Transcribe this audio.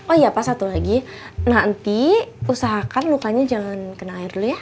oh iya pak satu lagi nanti usahakan lukanya jangan kena air dulu ya